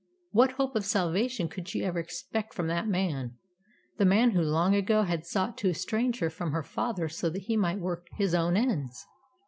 What hope of salvation could she ever expect from that man the man who long ago had sought to estrange her from her father so that he might work his own ends?